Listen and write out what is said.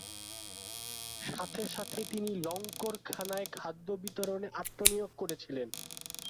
সাথে সাথে তিনি লঙ্গরখানায় খাদ্য বিতরণে আত্মনিয়োগ করেছিলেন।